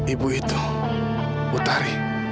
ibu itu utari